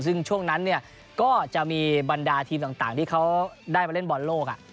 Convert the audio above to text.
ซึ่งช่วงนั้นก็จะมีบรรดาทีมต่างที่เขาได้มาเล่นบอลโลก